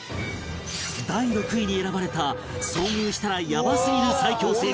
第６位に選ばれた遭遇したらヤバすぎる最恐生物は